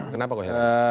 kenapa kok heran